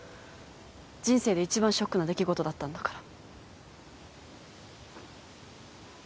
人生で一番ショックな出来事だったんだから。